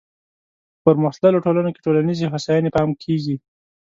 په پرمختللو ټولنو کې ټولنیزې هوساینې پام کیږي.